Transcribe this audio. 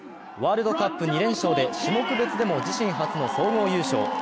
ワールドカップ２連勝で種目別でも自身初の個人総合優勝。